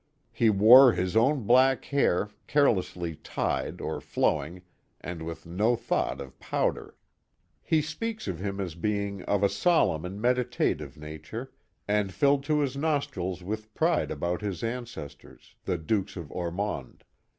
He wore his own black hair, carelessly lied or flowing, and with no thought of powder. He speaks of him as being " of a solemn and meditative nature, and filled to his nostrils with pride about his ancestors, the Dukes of Ormonde.